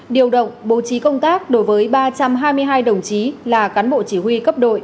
điều động bố trí công tác đối với ba trăm hai mươi hai đồng chí là cán bộ chỉ huy cấp đội